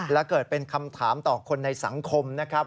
และเกิดเป็นคำถามต่อคนในสังคมนะครับ